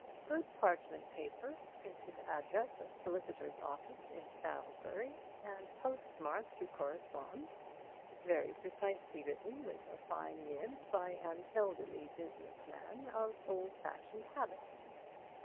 Good parchment paper, printed address of solicitor's office in Salisbury, and postmark to correspond. Very precisely written with a fine nib by an elderly business man of old fashioned habits."